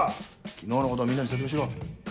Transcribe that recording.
昨日のことをみんなに説明しろ。